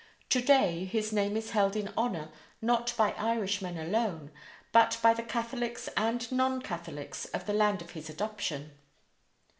Today his name is held in honor not by Irishmen alone, but by the Catholics and non Catholics of the land of his adoption.